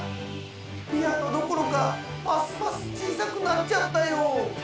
ピアノどころかますます小さくなっちゃったよ。